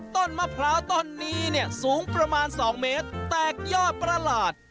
ต้นมะพร้าวต้นนี้เนี่ยสูงประมาณ๒เมตรแตกยอดประหลาด